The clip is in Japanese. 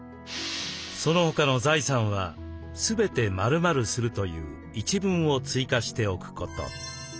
「その他の財産はすべて○○する」という一文を追加しておくこと。